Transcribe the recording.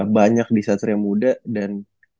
banyak di satria muda dan